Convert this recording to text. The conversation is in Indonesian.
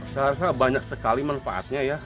saya rasa banyak sekali manfaatnya ya